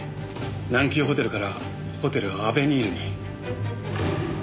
南急ホテルからホテルアベニールに。